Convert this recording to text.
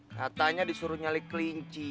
katanya disuruh nyali kelinci